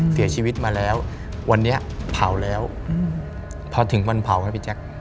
เสียชีวิตมาแล้ววันนี้เผาแล้วพอถึงวันเผาครับพี่แจ๊ค